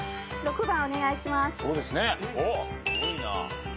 ６番お願いします。